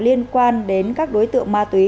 liên quan đến các đối tượng ma túy